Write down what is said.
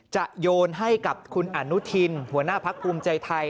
โยนให้กับคุณอนุทินหัวหน้าพักภูมิใจไทย